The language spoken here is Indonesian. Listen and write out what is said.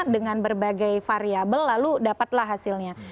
dengan berbagai variable lalu dapatlah hasilnya